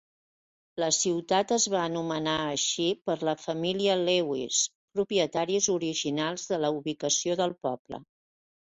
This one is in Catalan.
La ciutat es va anomenar així per la família Lewis, propietaris originals de la ubicació del poble.